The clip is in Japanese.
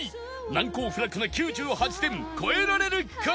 難攻不落な９８点超えられるか？